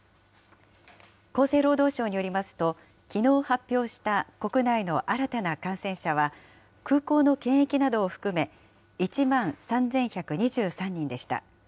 厚生労働省によりますと、きのう発表した国内の新たな感染者は、空港の検疫などを含め、１万３１２３人でした。